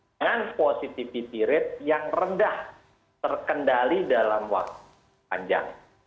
dengan positivity rate yang rendah terkendali dalam waktu panjang